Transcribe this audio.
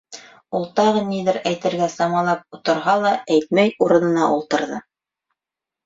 - Ул тағы ниҙер әйтергә самалап торһа ла, әйтмәй, урынына ултырҙы.